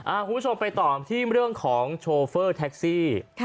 คุณผู้ชมไปต่อที่เรื่องของโชเฟอร์แท็กซี่